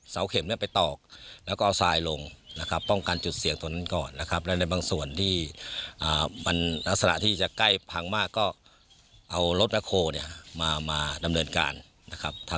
เสาเข็มเนี้ยไปตอกแล้วก็เอาสายลงนะครับ